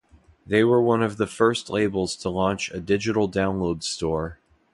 They were one of the first labels to launch a digital download store.